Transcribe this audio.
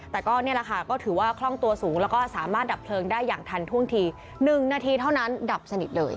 แต่ก็นี่แหละค่ะก็ถือว่าคล่องตัวสูงแล้วก็สามารถดับเพลิงได้อย่างทันท่วงที๑นาทีเท่านั้นดับสนิทเลย